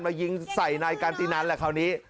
มายิงใส่นายกันตินันแหละคราวนี้